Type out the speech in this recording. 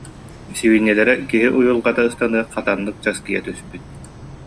Сибиинньэлэрэ киһи уйулҕата ыстаныах хатаннык час- кыйа түспүт